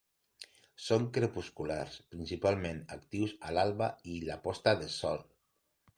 Són crepusculars, principalment actius a l'alba i la posta de sol.